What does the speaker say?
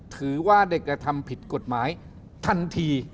ถือว่าเด็กกระทำผิดกฎหมายทันที